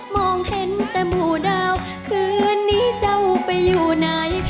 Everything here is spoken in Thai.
มองเห็นแต่หมู่ดาวคืนนี้เจ้าไปอยู่ไหน